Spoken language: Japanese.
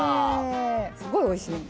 すごいおいしいの。